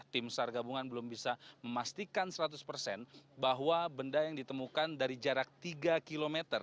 tim sar gabungan belum bisa memastikan seratus persen bahwa benda yang ditemukan dari jarak tiga km